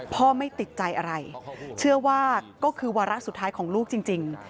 ไม่ติดใจอะไรเชื่อว่าก็คือวาระสุดท้ายของลูกจริง